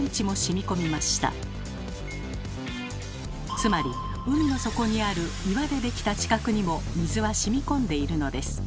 つまり海の底にある岩で出来た地殻にも水はしみこんでいるのです。